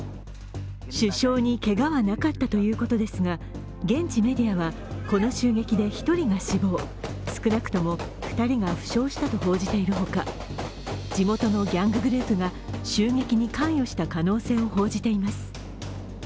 首相にけがはなかったということですが、現地メディアはこの襲撃で１人が死亡少なくとも２人が負傷したと報じているほか地元のギャンググループが襲撃に関与した可能性を報じています。